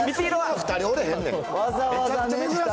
２人おれへんねん。